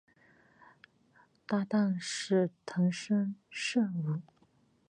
搭挡是藤森慎吾。